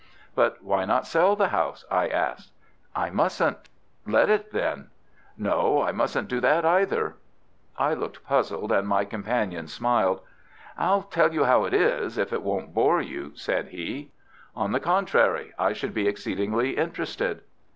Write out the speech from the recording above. "But why not sell the house?" I asked. "I mustn't." "Let it, then?" "No, I mustn't do that either." I looked puzzled, and my companion smiled. "I'll tell you how it is, if it won't bore you," said he. "On the contrary, I should be exceedingly interested."